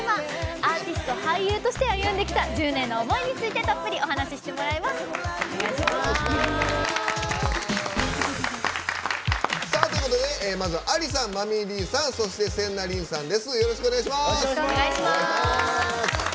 アーティスト、俳優として歩んできた１０年の思いについてたっぷりお話ししてもらいます。ということでまずＡＬＩさんＭｕｍｍｙ‐ＤさんそしてＳｅｎｎａＲｉｎさんです。